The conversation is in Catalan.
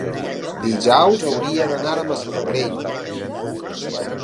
Dijous hauria d'anar a Massamagrell.